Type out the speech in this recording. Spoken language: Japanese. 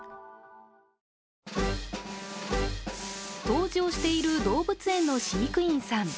掃除をしている動物園の飼育員さん。